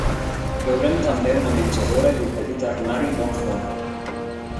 Veurem també una menjadora i un petit armari, molt fondo.